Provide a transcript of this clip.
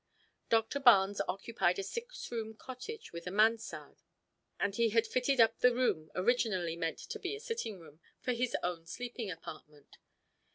Doctor Barnes occupied a six room cottage with a mansard, and he had fitted up the room originally meant to be a sitting room, for his own sleeping apartment.